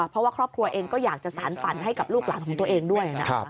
เพราะว่าครอบครัวเองก็อยากจะสารฝันให้กับลูกหลานของตัวเองด้วยนะครับ